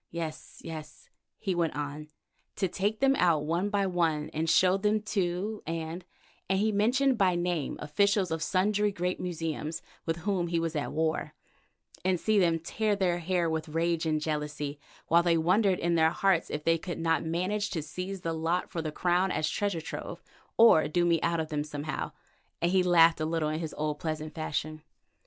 "Yes, yes," he went on, "to take them out one by one and show them to —— and ——," and he mentioned by name officials of sundry great museums with whom he was at war, "and see them tear their hair with rage and jealousy, while they wondered in their hearts if they could not manage to seize the lot for the Crown as treasure trove, or do me out of them somehow," and he laughed a little in his old, pleasant fashion.